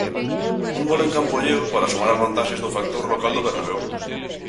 Un gol en campo alleo para sumar ás vantaxes do factor local do Bernabéu.